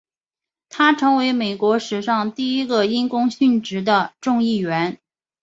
他成为美国史上第一个因公殉职的众议员。